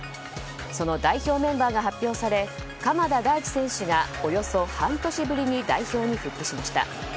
その代表メンバーが発表され鎌田大地選手がおよそ半年ぶりに代表に復帰しました。